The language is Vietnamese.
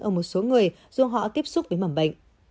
ở một số người do họ tiếp xúc với mầm bệnh